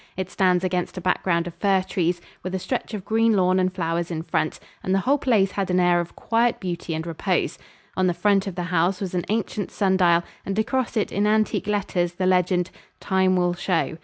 It stands against a background of fir trees, with a stretch of green lawn and flowers in front, and the whole place had an air of quiet beauty and repose. On the front of the house was an ancient sun dial, and across it, in antique letters, the legend "Time will show."